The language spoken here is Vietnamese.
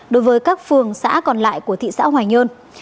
đối với các phường xã còn lại của thị xã hoài nhơn